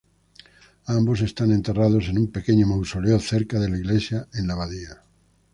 Ambos están enterrados en un pequeño mausoleo cerca de la iglesia en la abadía.